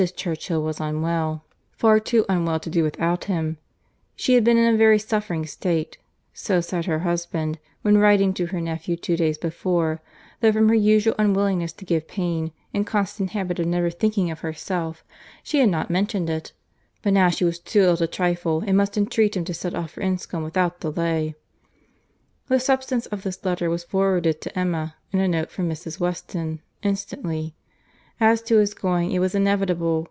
Churchill was unwell—far too unwell to do without him; she had been in a very suffering state (so said her husband) when writing to her nephew two days before, though from her usual unwillingness to give pain, and constant habit of never thinking of herself, she had not mentioned it; but now she was too ill to trifle, and must entreat him to set off for Enscombe without delay. The substance of this letter was forwarded to Emma, in a note from Mrs. Weston, instantly. As to his going, it was inevitable.